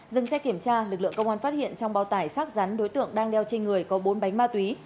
dừng xe kiểm tra lực lượng công an phát hiện trong bao tải xác rắn đối tượng đang đeo trên người có bốn bánh ma túy